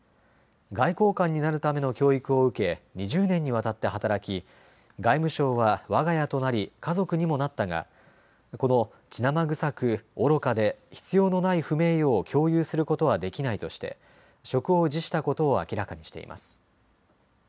外交官になるための教育を受け２０年にわたって働き外務省はわが家となり家族にもなったがこの血生臭く、愚かで必要のない不名誉を共有することはできないとして職を辞したことを明らかにしています。